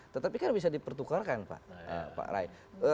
tetapi kan bisa dipertukarkan pak rai